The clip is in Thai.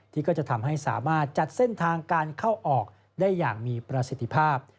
ก็จะทำให้สามารถจัดเส้นทางการเข้าออกได้อย่างมีประสิทธิภาพ